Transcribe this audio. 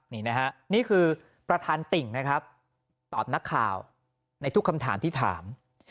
นี่นะฮะนี่คือประธานติ่งนะครับตอบนักข่าวในทุกคำถามที่ถาม